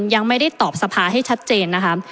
ยังไม่ได้ตอบสภาให้ชัดเจนนะคะ